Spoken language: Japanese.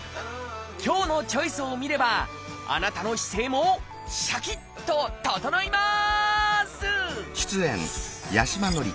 今日の「チョイス」を見ればあなたの姿勢もシャキッと整います！